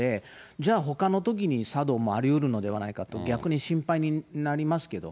じゃあ、ほかのときに作動もありうるのではないかと、逆に心配になりますけど。